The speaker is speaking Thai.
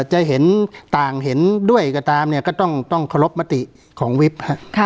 จะเห็นต่างเห็นด้วยก็ตามเนี่ยก็ต้องต้องขอรบมติของวิทย์ฮะค่ะ